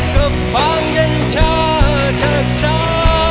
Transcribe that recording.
ก็ฟังเย็นชาจากฉัน